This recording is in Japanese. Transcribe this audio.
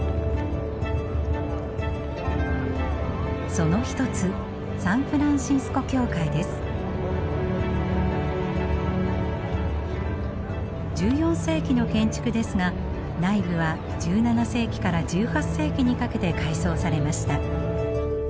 その一つ１４世紀の建築ですが内部は１７世紀から１８世紀にかけて改装されました。